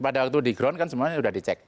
pada waktu di ground kan semuanya sudah dicek